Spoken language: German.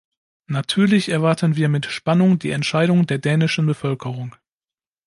Natürlich erwarten wir mit Spannung die Entscheidung der dänischen Bevölkerung.